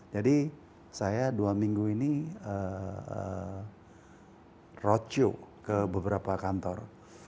jadi saya dua minggu ini rocok ke beberapa kantor